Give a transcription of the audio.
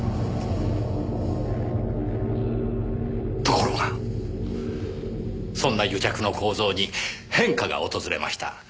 ところがそんな癒着の構造に変化が訪れました。